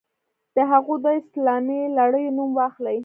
د هغو دوو اسلامي لړیو نوم واخلئ.